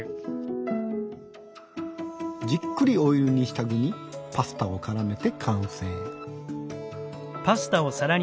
じっくりオイル煮した具にパスタをからめて完成。